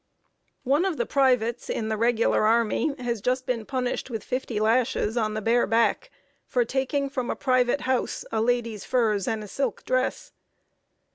One of the privates in the regular army has just been punished with fifty lashes on the bare back, for taking from a private house a lady's furs and a silk dress.